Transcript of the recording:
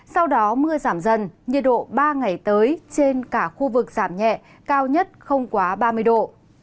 sau đó mưa giảm dần nhiệt độ ba ngày tới trên cả khu vực giảm nhẹ cao nhất không quá ba mươi độ